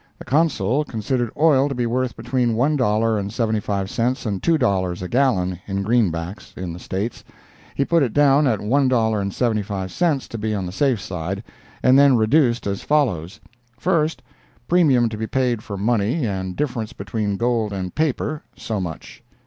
The Consul considered oil to be worth between one dollar and seventy five cents and two dollars a gallon (in greenbacks) in the States; he put it down at one dollar and seventy five cents to be on the safe side, and then reduced as follows: First—Premium to be paid for money, and difference between gold and paper—so much.